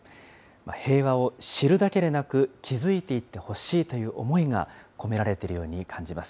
平和を知るだけでなく、築いていってほしいという思いが込められているように感じます。